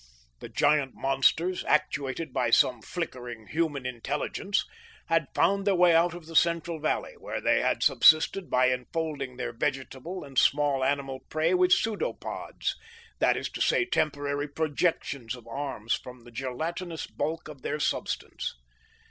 The giant monsters, actuated by some flickering human intelligence, had found their way out of the central valley, where they had subsisted by enfolding their vegetable and small animal prey with pseudopods, that it to say, temporary projections of arms from the gelatinous bulk of their substance.